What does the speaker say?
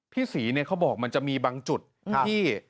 พี่ศรีเนี่ยเขาบอกมันจะมีบางจุดที่